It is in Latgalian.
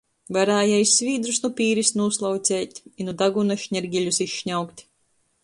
Varēja i svīdrus nu pīris nūslaucēt, i nu daguna šnergeļus izšņaukt.